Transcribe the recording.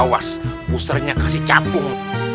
awas pusernya kasih capung